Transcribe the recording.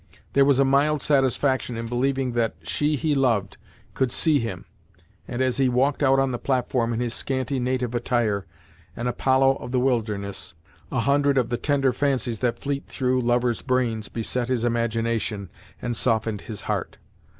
There was a mild satisfaction in believing that she he loved could see him, and as he walked out on the platform in his scanty, native attire, an Apollo of the wilderness, a hundred of the tender fancies that fleet through lovers' brains beset his imagination and softened his heart.